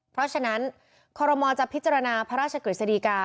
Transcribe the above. เพราะฉะนั้นคอรมอลจะพิจารณาพระราชกฤษฎีกา